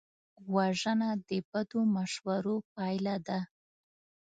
وژنه د بدو مشورو پایله ده